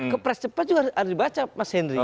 ke pres cepat juga harus dibaca mas henry